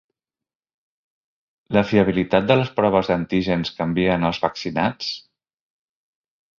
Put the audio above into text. La fiabilitat de les proves d’antígens canvia en els vaccinats?